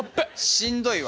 しんどいわ。